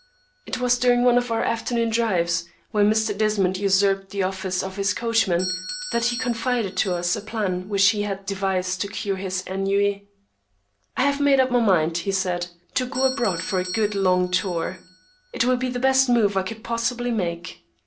It was during one of our afternoon drives, when Mr. Desmond usurped the office of his coachman, that he confided to us a plan which he had devised to cure his ennui. "I have made up my mind," he said, "to go abroad for a good long tour. It will be the best move I could possibly make."